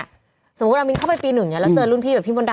แต่สมมุติว่าเรามีเค้าไปปี๑แล้วเจอรุนพี่แบบพิมพ์บนด่ำ